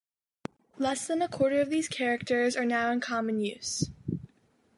Less than a quarter of these characters are now in common use.